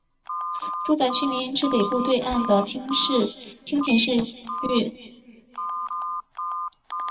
住宅区绵延至北部对岸的町田市域。